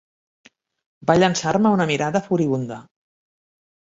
Va llançar-me una mirada furibunda.